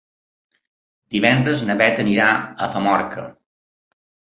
Divendres na Beth anirà a Famorca.